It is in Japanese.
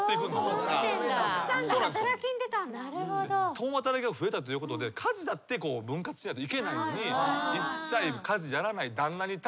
共働きが増えたってことで家事だって分割しないといけないのに一切家事やらない旦那に対しての怒り。